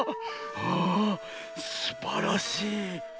あぁすばらしい。